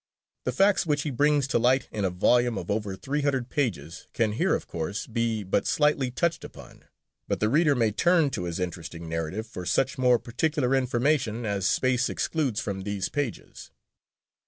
The facts which he brings to light in a volume of over three hundred pages can here of course be but slightly touched upon, but the reader may turn to his interesting narrative for such more particular information as space excludes from these pages.